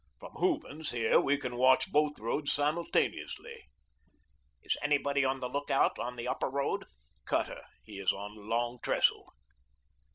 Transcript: From Hooven's, here, we can watch both roads simultaneously." "Is anybody on the lookout on the Upper Road?" "Cutter. He is on the Long Trestle."